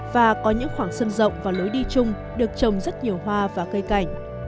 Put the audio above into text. và có những khoảng sân rộng và lối đi chung được trồng rất nhiều hoa và cây cảnh